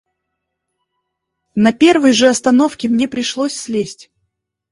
На первой же остановке мне пришлось слезть.